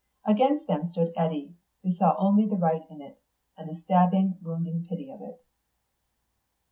Against them stood Eddy, who saw only the right in it, and the stabbing, wounding pity of it....